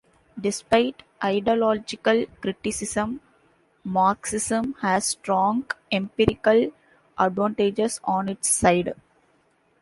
Despite ideological criticism, Marxism has strong empirical advantages on its side.